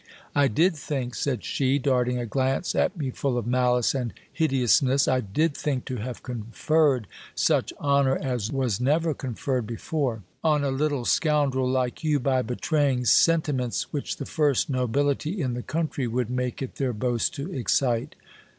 I did think, said she, darting a glance at me full of malice and hideousness, I did think to have conferred such honour as was never conferred before, on a little scoundrel like you, by betraying senti ments which the first nobility in the country would make it their boast to excite.